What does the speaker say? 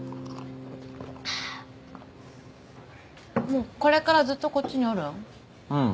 もうこれからずっとこっちにおるん？